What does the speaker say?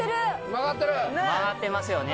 曲がっていますよね。